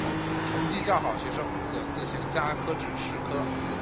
成绩较好学生可自行加科至十科。